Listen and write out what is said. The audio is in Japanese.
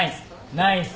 ナイス